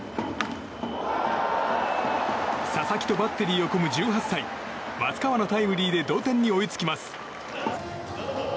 佐々木とバッテリーを組む１８歳松川のタイムリーで同点に追いつきます。